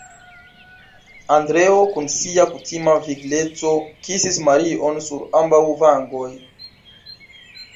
Andreo, kun sia kutima vigleco kisis Marion sur ambaŭ vangoj.